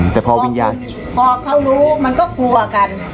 แต่พอวิญญาณพอเขารู้มันก็กลัวกัน